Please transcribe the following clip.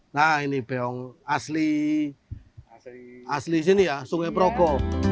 nah ini beong asli asli sini ya sungai perogo